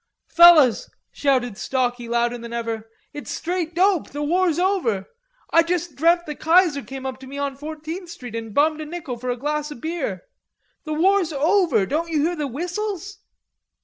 "Fellers," shouted Stalky louder than ever, "it's straight dope, the war's over. I just dreamt the Kaiser came up to me on Fourteenth Street and bummed a nickel for a glass of beer. The war's over. Don't you hear the whistles?"